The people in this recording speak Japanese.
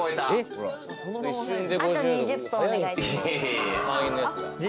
あと２０分お願いします。